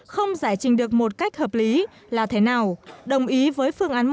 không giải trình được một cách hợp lý là thế nào đồng ý với phương án một